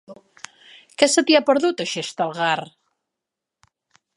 Què se t'hi ha perdut, a Xestalgar?